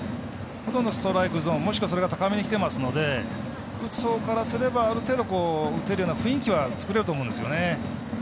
ほとんどストライクゾーンもしくはそれが高めにきてますから打つほうからするとある程度、打てるような雰囲気は作れると思うんですよね。